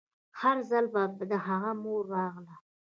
هر ځل به د هغه مور راغله.